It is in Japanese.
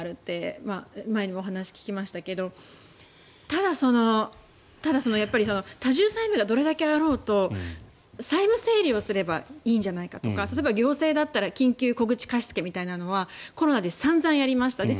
いくらでもあるって前にも話を聞きましたがただ、やっぱり多重債務がどれだけあろうと債務整理をすればいいんじゃないかとか例えば行政だったら緊急小口貸付みたいなのはコロナで散々やりました。